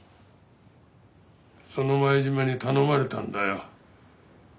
その前島に頼まれたんだよ。